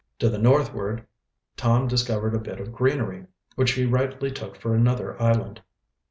To the northward Tom discovered a bit of greenery, which he rightly took for another island.